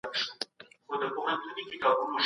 لويه جرګه د خلګو ږغ اوري.